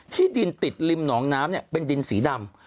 ที่ดินติดริมหนองน้ำเป็นดินสีดำ